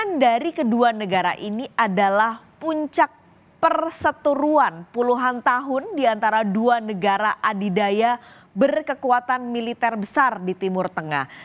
yang dari kedua negara ini adalah puncak perseturuan puluhan tahun di antara dua negara adidaya berkekuatan militer besar di timur tengah